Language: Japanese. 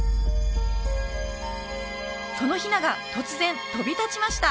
その雛が突然飛び立ちました